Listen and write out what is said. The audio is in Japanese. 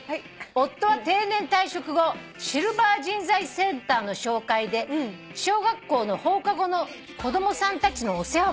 「夫は定年退職後シルバー人材センターの紹介で小学校の放課後の子供さんたちのお世話をしています」